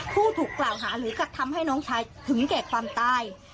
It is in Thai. ผู้ถูกกล่าวหาหรือกระทำให้น้องชายถึงแก่ความตาย